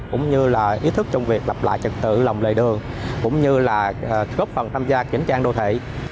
cũng như là ý thức trong việc lập lại trật tự lòng lề đường cũng như là góp phần tham gia chỉnh trang đô thị